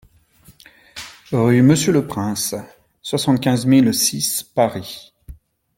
Rue Monsieur le Prince, soixante-quinze mille six Paris